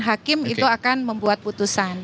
hakim itu akan membuat putusan